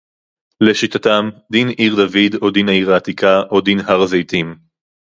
לשיטתם דין עיר-דוד או דין העיר העתיקה או דין הר-הזיתים